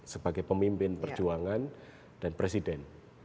sebagai pemimpin perjuangan dan presiden